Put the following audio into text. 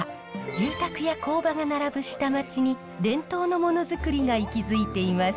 住宅や工場が並ぶ下町に伝統のモノづくりが息づいています。